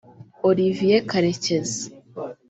Olivier Karekezi